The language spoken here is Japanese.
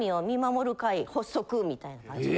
発足みたいな感じで。